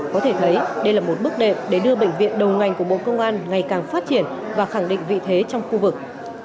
có thể thấy đây là một bước đệm để đưa bệnh viện đầu ngành của bộ công an ngày càng phát triển và khẳng định vị thế trong khu vực